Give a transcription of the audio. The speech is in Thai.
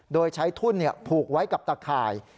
โดยใช้ทุ่นผูกไว้กับตะข่าย